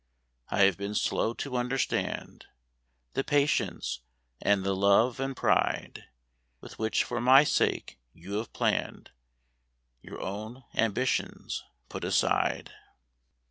I have been slow to understand The patience and the love and pride "With which for my sake you have hour own ambitions put aside.